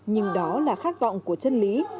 nhưng đó là khát vọng của chân lý